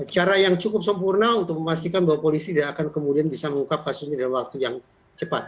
cara yang cukup sempurna untuk memastikan bahwa polisi tidak akan kemudian bisa mengungkap kasus ini dalam waktu yang cepat